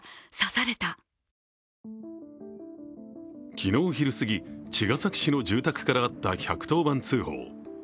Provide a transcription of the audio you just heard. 昨日時すぎ、茅ヶ崎市の住宅からあった１１０番通報。